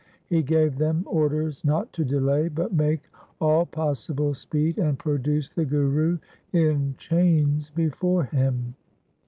He gave them orders not to delay, but make all possible speed and produce the Guru in chains before him.